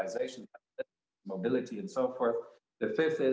maaf bisa kita kembali satu pagi